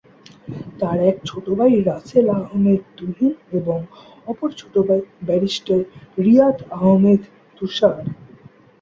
তার এক ছোট ভাই রাসেল আহমেদ তুহিন এবং অপর ছোট ভাই ব্যারিস্টার রিয়াদ আহমেদ তুষার।